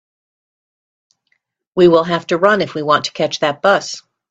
We will have to run if we want to catch that bus.